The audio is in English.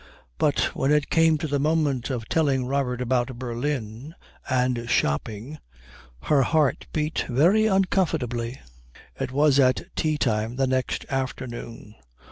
But when it came to the moment of telling Robert about Berlin and shopping, her heart beat very uncomfortably. It was at tea time the next afternoon.